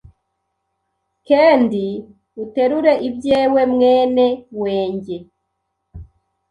kendi uterure ibyewe Mwene wenjye